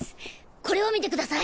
これを見てください！